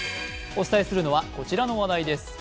お伝えするのは、こちらの話題です